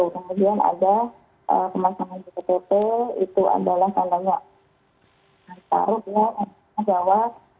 seperti itu kemudian ada pemasangan di tp itu adalah